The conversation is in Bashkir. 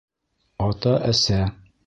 Ата-әсә.